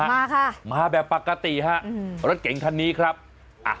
มาค่ะมาแบบปกติฮะอืมรถเก๋งคันนี้ครับอ่ะ